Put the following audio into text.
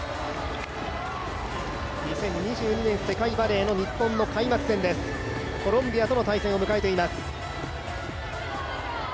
２０２２年世界バレーの日本の開幕戦ですコロンビアとの対戦を迎えています。